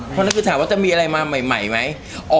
เพราะฉะนั้นคือถามว่าจะมีอะไรมาใหม่ไหม